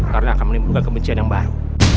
karena akan menimbulkan kebencian yang baru